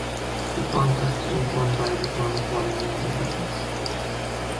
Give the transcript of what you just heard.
The contest was won by the song "Fallen Angel" by Tix.